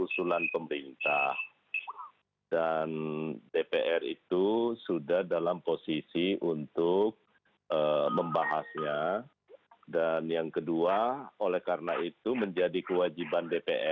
selamat malam pak supratman